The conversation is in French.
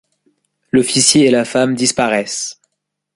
L'officier et la femme disparaissent.